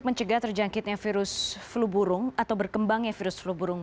mencegah terjangkitnya virus flu burung atau berkembangnya virus flu burung